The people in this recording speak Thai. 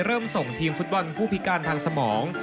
ส่งทีมฟุตบอลผู้พิการทางสมอง